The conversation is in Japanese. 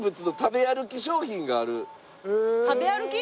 食べ歩き？